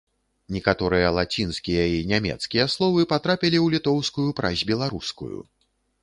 Некаторыя лацінскія і нямецкія словы патрапілі ў літоўскую праз беларускую.